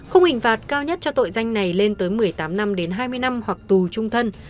khung hình phạt cao nhất cho tội danh này lên tới một mươi tám năm đến hai mươi năm hoặc tù trung thân